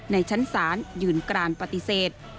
ในชั้นศาลยืนกรานปฏิเสธ